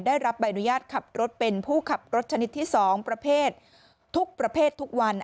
ได้รับใบอนุญาตขับรถเป็นผู้ขับรถชนิดที่๒ประเภททุกประเภททุกวัน